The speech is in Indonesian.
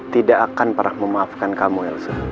tidak akan pernah memaafkan kamu elsa